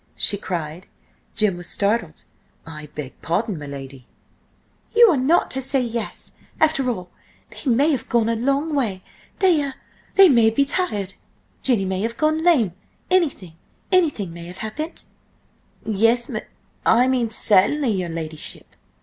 she cried. Jim was startled. "I beg pardon, m'lady?" "You are not to say yes! After all, they may have gone a long way–they–er–they may be tired! Jenny may have gone lame–anything–anything may have happened!" "Yes, m'— I mean certainly, your ladyship!"